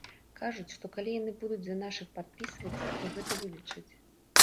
Кажуць, што калі яны будуць за нашых падпісвацца, то гэта вылічаць.